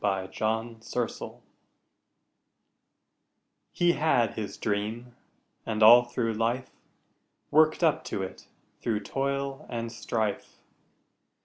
HE HAD HIS DREAM He had his dream, and all through life, Worked up to it through toil and strife.